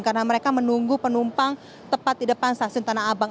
karena mereka menunggu penumpang tepat di depan stasiun tanah abang